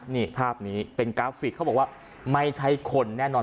นี่ภาพนี้เป็นกราฟิกเขาบอกว่าไม่ใช่คนแน่นอน